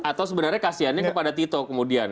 atau sebenarnya kasiannya kepada tito kemudian